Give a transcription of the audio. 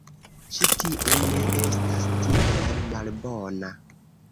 Ĉi tiu... ne estas tiel malbona.